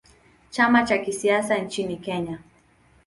Chama cha kisiasa nchini Kenya.